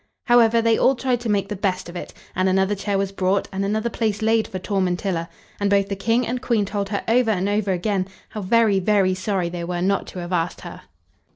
However, they all tried to make the best of it, and another chair was brought, and another place laid for Tormentilla; and both the King and Queen told her over and over again how very, very sorry they were not to have asked her.